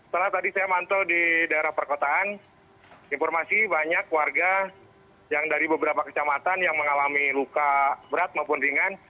setelah tadi saya mantau di daerah perkotaan informasi banyak warga yang dari beberapa kecamatan yang mengalami luka berat maupun ringan